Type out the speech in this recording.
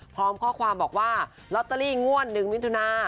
พร้อมข้อความบอกว่าลอตเตอรี่งวด๑มิถุนา